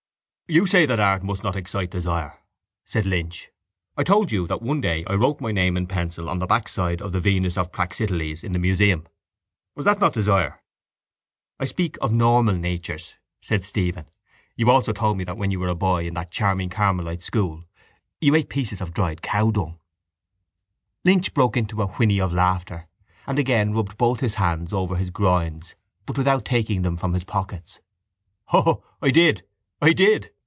—You say that art must not excite desire, said Lynch. I told you that one day I wrote my name in pencil on the backside of the Venus of Praxiteles in the Museum. Was that not desire? —I speak of normal natures, said Stephen. You also told me that when you were a boy in that charming carmelite school you ate pieces of dried cowdung. Lynch broke again into a whinny of laughter and again rubbed both his hands over his groins but without taking them from his pockets. —O, I did! I did!